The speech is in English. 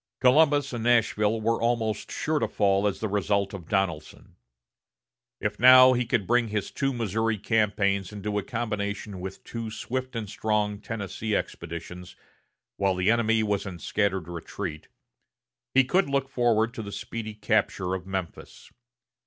Columbus and Nashville were almost sure to fall as the result of Donelson. If now he could bring his two Missouri campaigns into a combination with two swift and strong Tennessee expeditions, while the enemy was in scattered retreat, he could look forward to the speedy capture of Memphis.